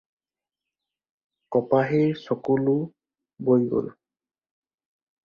কপাহীৰ চকু-লো বৈ গ'ল।